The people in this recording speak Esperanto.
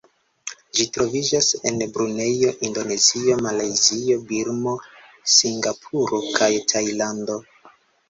Ĝi troviĝas en Brunejo, Indonezio, Malajzio, Birmo, Singapuro, kaj Tajlando.